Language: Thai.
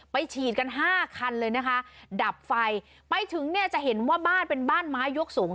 ฉีดกันห้าคันเลยนะคะดับไฟไปถึงเนี่ยจะเห็นว่าบ้านเป็นบ้านไม้ยกสูง